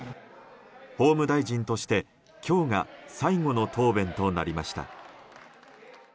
法務大臣として今日が最後の答弁となりました。